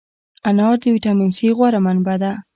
انار د ویټامین C غوره منبع ده.